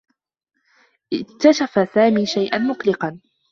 اكتشف سامي شيئا مقلقا.